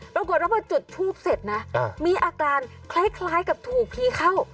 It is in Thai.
ปรากฏว่าพอจุดทูบเสร็จนะมีอาการคล้ายกับถูกผีเข้า